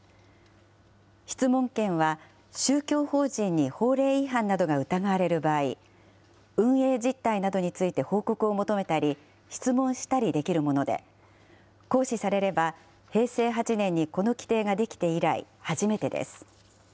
質問権は、宗教法人に法令違反などが疑われる場合、運営実態などについて報告を求めたり、質問したりできるもので、行使されれば平成８年にこの規定ができて以来、初めてです。